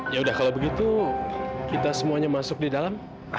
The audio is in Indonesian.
yaudah kalau begitu kita semuanya masuk di dalam